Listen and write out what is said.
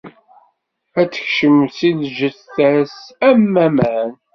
Ad tekcem di lǧetta-s am waman.